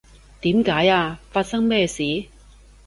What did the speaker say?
點解呀？發生咩事？